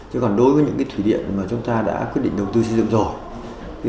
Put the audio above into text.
chứ còn đối với những thủy điện mà chúng ta đã quyết định đầu tư xây dựng rồi